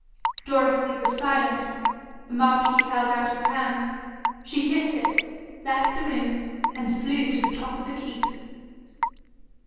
Dorothy was silent. The marquis held out his hand. She kissed it, left the room, and flew to the top of the keep.